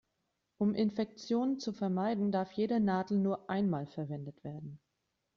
Um Infektionen zu vermeiden, darf jede Nadel nur einmal verwendet werden.